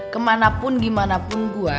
kemanapun gimana pun gue